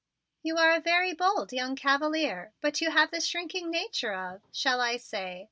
"You are a very bold young cavalier but you have the shrinking nature of shall I say?